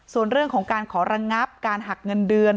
ส่วนเรื่องของการขอระงับการหักเงินเดือน